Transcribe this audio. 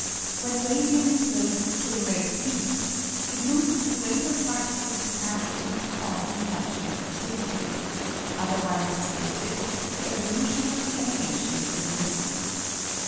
When radium is raised to a red heat, it loses the greater part of its capacity to cause the indudtion of adlivity ; otherwise stated, the evolution of the emanation is lessened.